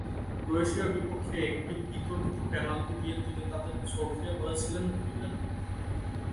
ক্রোয়েশিয়ার বিপক্ষে একটি বিতর্কিত পেনাল্টি দিয়ে তিনি তাদের চোখে হয়েছিলেন ভিলেন।